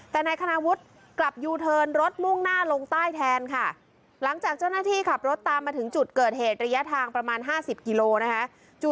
แต่นายคณาวุฒิกลับยูเทิร์นรถมุ่งหน้าลงใต้แทนค่ะหลังจากเจ้าหน้าที่ขับรถตามมาถึงจุดเกิดเหตุระยะทางประมาณ๕๐กิโลนะคะ